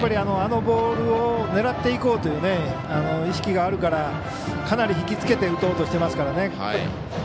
あのボールを狙っていこうという意識があるからかなり引きつけて打とうとしてますからね。